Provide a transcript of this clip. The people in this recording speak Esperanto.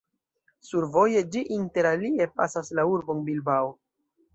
Survoje ĝi inter alie pasas la urbon Bilbao.